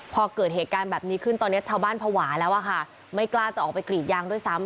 พอเกิดเหตุการณ์แบบนี้ขึ้นตอนนี้ชาวบ้านภาวะแล้วอะค่ะไม่กล้าจะออกไปกรีดยางด้วยซ้ำ